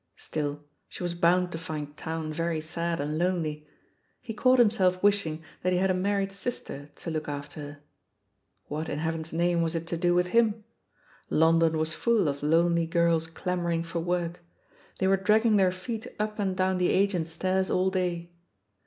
Still, she was bound to find town very sad and lonely: he caught himself wishing that he had a married sister to look after her. What, in heaven's name, was it to do with him? London was full of lonely girls clamoiu*ing for work — ^they were dragging their feet up and down the agents' stairs all day.